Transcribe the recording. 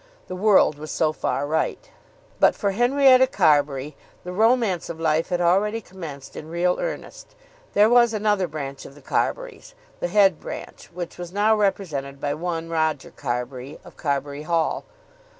The world was so far right. But for Henrietta Carbury the romance of life had already commenced in real earnest. There was another branch of the Carburys, the head branch, which was now represented by one Roger Carbury, of Carbury Hall.